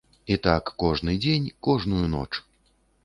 І так кожны дзень, кожную ноч.